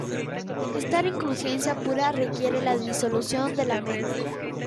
Estar en conciencia pura requiere la disolución de la mente.